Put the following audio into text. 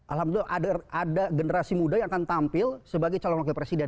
alhamdulillah ada generasi muda yang akan tampil sebagai calon wakil presiden